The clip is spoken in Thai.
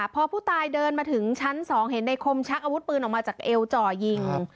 พอผู้ตายเดินมาถึงชั้น๒เห็นในคมชักอาวุธปืนออกมาจากเอวจ่อยิง